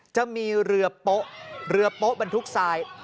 จะมีเรือโป๊ะเรือโป๊ะบรรทุกทราย